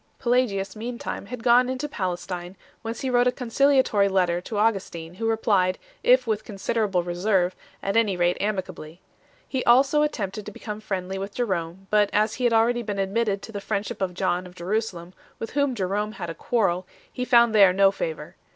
Pelagius meantime had gone into Palestine, whence he wrote a conciliatory letter to Augustin, who replied, if with considerable reserve, at any rate amicably 3 . He also attempted to become friendly with Jerome ; but as he had already been admitted to the friendship of John of Jeru salem, with whom Jerome had a quarrel, he found there no favour.